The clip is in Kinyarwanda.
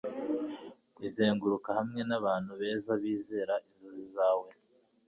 uzenguruke hamwe n'abantu beza bizera inzozi zawe